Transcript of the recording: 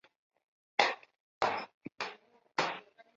北宋大中祥符五年改名确山县。